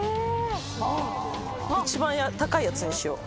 一番高いやつにしよう。